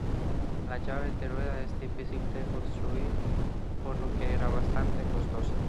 La llave de rueda es difícil de construir, por lo que era bastante costosa.